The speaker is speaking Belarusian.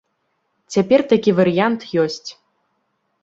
Цяпер такі варыянт ёсць.